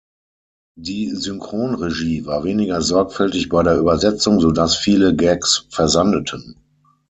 Die Synchronregie war weniger sorgfältig bei der Übersetzung, sodass viele Gags versandeten.